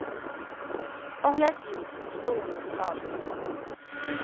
Паглядзім, што яны скажуць.